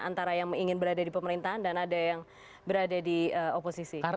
antara yang ingin berada di pemerintahan dan ada yang berada di oposisi